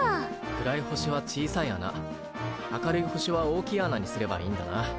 暗い星は小さい穴明るい星は大きい穴にすればいいんだな。